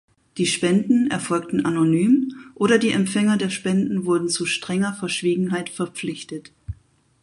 Die Spenden erfolgten anonym oder die Empfänger der Spenden wurden zu strenger Verschwiegenheit verpflichtet.